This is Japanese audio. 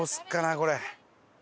これ。